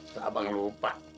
tak bang lupa